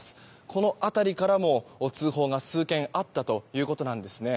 この辺りからも通報が数件あったということですね。